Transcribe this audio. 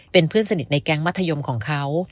เป็นเพื่อนสนิทในแก๊งมัธยมของเขา